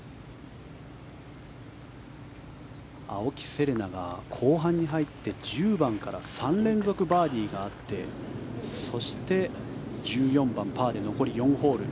青木瀬令奈が後半に入って１０番から３連続バーディーがあってそして、１４番、パーで残り４ホール。